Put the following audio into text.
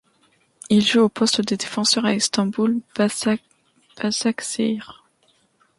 Il joue au poste de défenseur au İstanbul Başakşehir.